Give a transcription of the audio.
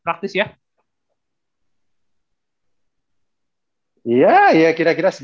iya iya kira kira segitu lah sama nanti kita lebaran tuh jadi emang sekarang libur vaulannya j buzzin aja perasaan ya